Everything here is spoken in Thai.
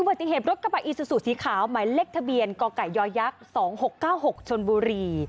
ปฏิเหตุรถกระบะอีซูซูสีขาวหมายเลขทะเบียนกไก่ย๒๖๙๖ชนบุรี